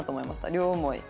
両思い。